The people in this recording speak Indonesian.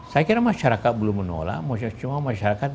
saya kira masyarakat belum menolak semua masyarakat